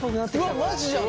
うわマジじゃん。